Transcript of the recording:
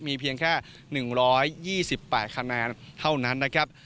มีเพียงแค่๑๒๘คะแนนเท่านั้นนะครับ